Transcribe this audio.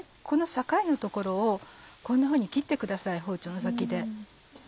この境の所をこんなふうに切ってください包丁の先で。